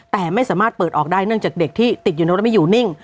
แต่ไม่สามารถเปิดออกได้เนื่องจากเด็กที่ติดอยู่ในรถแล้วไม่อยู่นิ่ง